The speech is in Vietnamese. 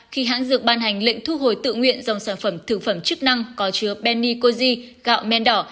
khi hãng dược ban hành lệnh thu hồi tự nguyện dòng sản phẩm thực phẩm chức năng có chứa benicozi gạo men đỏ